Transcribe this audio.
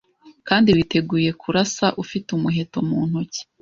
Kandi witeguye kurasa ufite umuheto mu ntoki